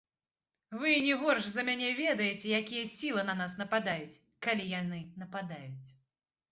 Вы не горш за мяне ведаеце, якія сілы на нас нападаюць, калі яны нападаюць.